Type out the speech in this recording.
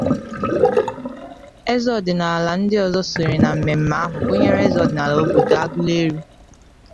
Eze ọdịnala ndị ọzọ sonyere na mmemme ahụ gụnyere eze ọdịnala obodo Agụleri